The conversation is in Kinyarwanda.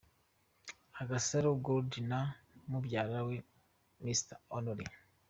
Agasaro Gold na mubyara we Mr Only.